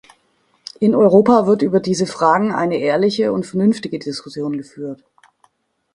In Europa wird über diese Fragen eine ehrliche und vernünftige Diskussion geführt.